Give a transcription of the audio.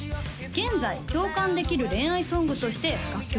現在共感できる恋愛ソングとして楽曲